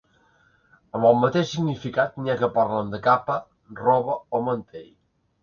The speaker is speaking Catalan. Amb el mateix significat n'hi ha que parlen de capa, roba o mantell.